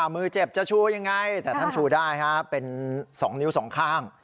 มือเจ็บจะชูยังไงแต่ท่านชูได้เป็น๒นิ้วสองข้าง